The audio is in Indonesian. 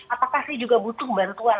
apakah saya juga butuh bantuan